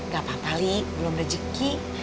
gak apa apa lik belum rejeki